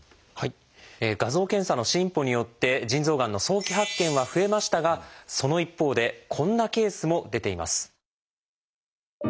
画像検査の進歩によって腎臓がんの早期発見は増えましたがその一方でこんなケースも出ています。